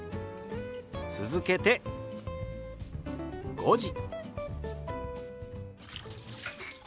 続けて「５時」。